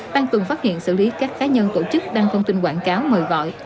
ban tuần phát hiện xử lý các cá nhân tổ chức đăng thông tin quảng cáo mời gọi